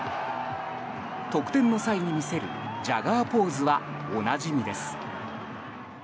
得点の際に見せるジャガーポーズはおなじみです。